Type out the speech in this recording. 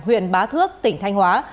huyện bá thước tỉnh thanh hóa